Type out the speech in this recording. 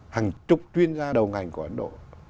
hàng chục chuyên gia đầu ngành của ấn độ